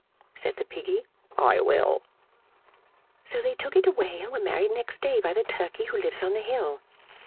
Said the Piggy, "I will." So they took it away, and were married next day By the Turkey who lives on the hill.